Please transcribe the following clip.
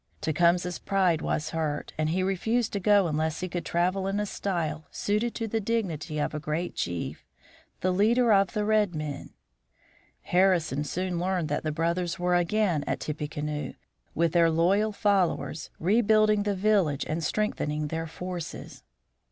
Tecumseh's pride was hurt and he refused to go unless he could travel in a style suited to the dignity of a great chief, the leader of the red men. Harrison soon learned that the brothers were again at Tippecanoe, with their loyal followers, rebuilding the village and strengthening their forces.